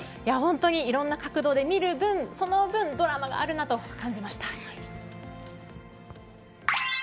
いろんな角度で見る分、その分ドラマがあるなと感じました。